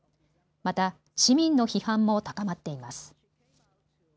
また市民の批判も高まっています。